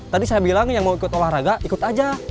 tadi saya bilang yang mau ikut olahraga ikut aja